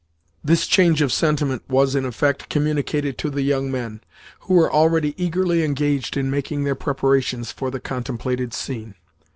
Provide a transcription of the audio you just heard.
This change of sentiment was, in effect, communicated to the young men, who were already eagerly engaged in making their preparations for the contemplated scene.